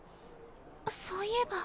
そういえば。